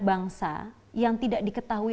bangsa yang tidak diketahui